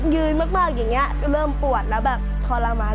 ยืนมากอย่างนี้เริ่มปวดแล้วแบบทรมาน